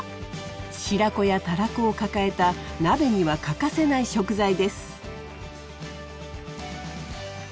白子やたらこを抱えた鍋には欠かせない食材です。